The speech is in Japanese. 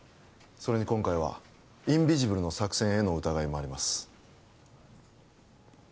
それに今回はインビジブルの作戦への疑いもあります